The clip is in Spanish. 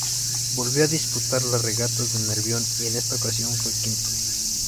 Volvió a disputar las regatas del Nervión y en esta ocasión fue quinto.